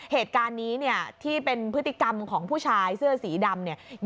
เหตุการณ์นี้เนี่ยที่เป็นพฤติกรรมของผู้ชายเสื้อสีดำเนี่ย